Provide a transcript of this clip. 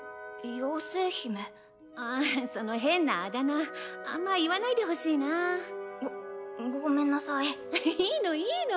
妖精姫ああその変なあだ名あんま言わないごごめんなさいいいのいいの。